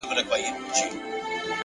باور د انسان ځواک دی.